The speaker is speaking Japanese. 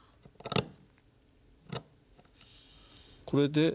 これで。